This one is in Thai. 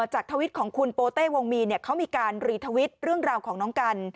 ทวิตของคุณโปเต้วงมีนเขามีการรีทวิตเรื่องราวของน้องกัน